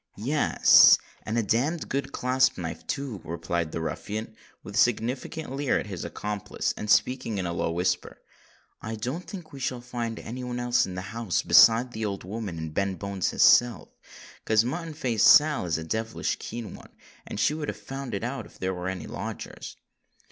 "Yes—and a damned good clasp knife too," replied the ruffian, with a significant leer at his accomplice, and speaking in a low whisper. "I don't think we shall find any one else in the house besides that old woman and Ben Bones his self, 'cause Mutton Face Sal is a devilish keen one—and she would have found it out if there was any lodgers."